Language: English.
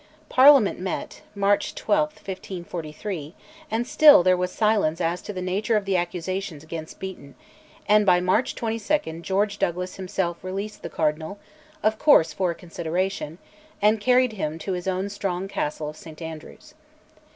Parliament met (March 12, 1543), and still there was silence as to the nature of the accusations against Beaton; and by March 22 George Douglas himself released the Cardinal (of course for a consideration) and carried him to his own strong castle of St Andrews.